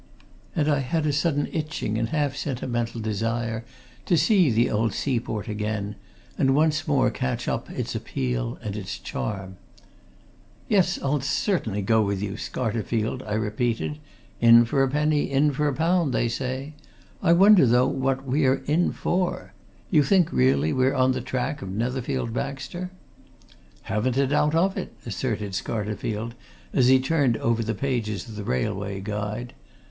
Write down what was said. And I had a sudden itching and half sentimental desire to see the old seaport again, and once more catch up its appeal and its charm. "Yes, I'll certainly go with you, Scarterfield!" I repeated. "In for a penny, in for a pound, they say. I wonder, though, what we are in for! You think, really, we're on the track of Netherfield Baxter?" "Haven't a doubt of it!" asserted Scarterfield, as he turned over the pages of the railway guide.